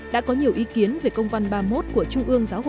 đã có nhiều ý kiến về công văn ba mươi một